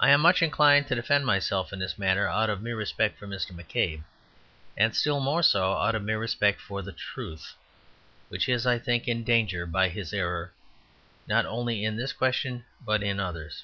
I am much inclined to defend myself in this matter out of mere respect for Mr. McCabe, and still more so out of mere respect for the truth which is, I think, in danger by his error, not only in this question, but in others.